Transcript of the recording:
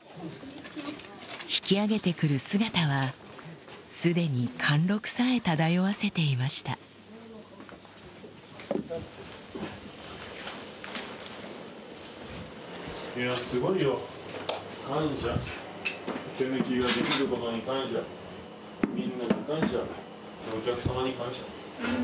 引き揚げて来る姿はすでに貫禄さえ漂わせていましたホント。